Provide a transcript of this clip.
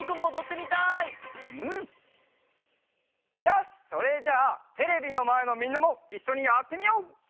よしそれじゃあテレビのまえのみんなもいっしょにやってみよう！